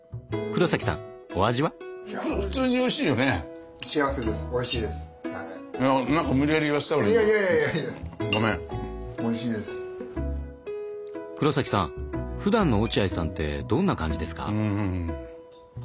黒崎さんふだんの落合さんってどんな感じですか？